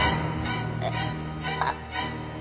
えっあっ。